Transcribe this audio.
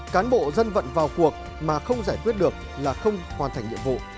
cán bộ dân vận vào cuộc mà không giải quyết được là không hoàn thành nhiệm vụ